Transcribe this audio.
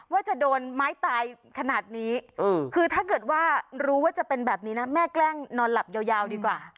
ว่าจะโดนไม้ตายขนาดนี้คือถ้าเกิดว่ารู้ว่าจะเป็นแบบนี้นะแม่แกล้งนอนหลับยาวดีกว่า